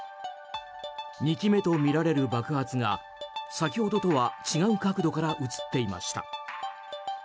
２機目とみられる爆発が先ほどとは違う角度から映っていました。